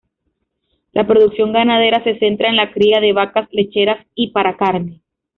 La producción ganadera se centra en la cría de vacas lecheras y para carne.